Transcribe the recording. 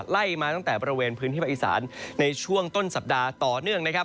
ไล่มาตั้งแต่บริเวณพื้นที่ภาคอีสานในช่วงต้นสัปดาห์ต่อเนื่องนะครับ